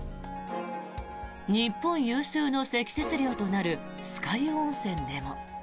日本有数の積雪量となる酸ヶ湯温泉でも。